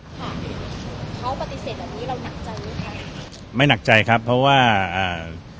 ค่ะเขาปฏิเสธแบบนี้เราหนักใจหรือใครไม่หนักใจครับเพราะว่าอ่า